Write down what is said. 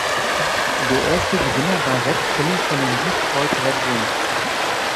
Der erste Gewinner war Red Kelly von den Detroit Red Wings.